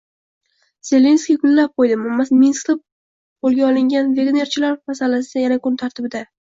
Zelenskiy «gullab qo‘ydi»mi? Minskda qo‘lga olingan «vagnerchilar» masalasi yana kun tartibida